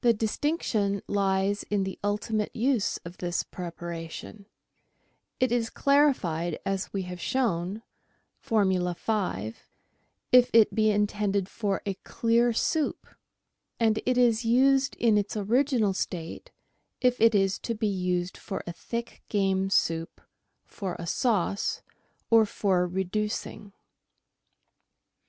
The dis tinction lies in the ultimate use of this preparation ; it is clari fied, as we have shown (Formula 5), if it be intended for a clear soup, and it is used in its original state if it is to be used for a thick game soup, for a sauce, or for reducing.